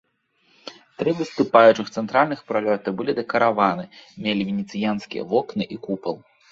Тры выступаючых цэнтральных пралёта былі дэкараваны, мелі венецыянскія вокны і купал.